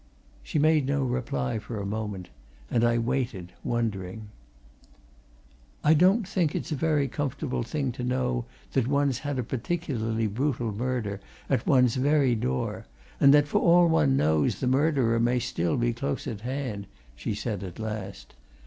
She made no reply for a moment, and I waited, wondering. "I don't think it's a very comfortable thing to know that one's had a particularly brutal murder at one's very door and that, for all one knows, the murderer may still be close at hand," she said at last.